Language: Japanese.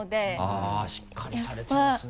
あっしっかりされてますね。